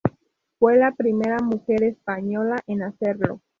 Fue la primera mujer española en hacerlo.